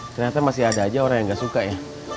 ternyata masih ada aja orang yang gak suka ya